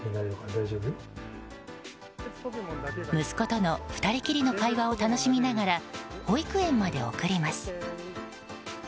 息子との２人きりの会話を楽しみながら保育園まで送ります。